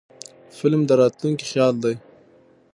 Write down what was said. فلم د راتلونکي خیال دی